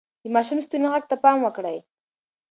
د ماشوم د ستوني غږ ته پام وکړئ.